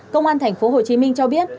công an tp hcm cho biết